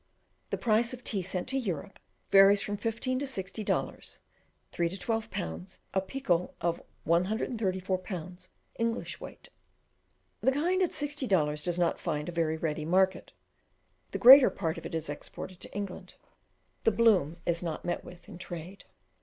The price of the tea sent to Europe varies from fifteen to sixty dollars (3 to 12 pounds) a pikul, of 134 lb. English weight. The kind at sixty dollars does not find a very ready market; the greater part of it is exported to England. The "bloom" is not met with in trade.